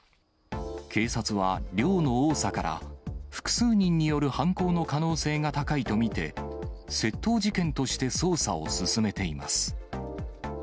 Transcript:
警察は、量の多さから、複数人による犯行の可能性が高いと見て、窃盗事件として捜査を進めています。